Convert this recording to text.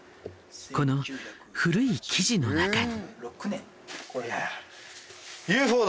この古い記事の中に。